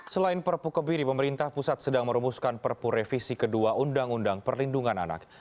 selain perpu kebiri pemerintah pusat sedang merumuskan perpu revisi kedua undang undang perlindungan anak